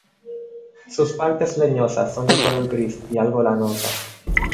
Sus partes leñosas son de color gris y algo lanosas.